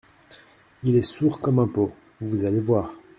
Il est sourd comme un pot… vous allez voir…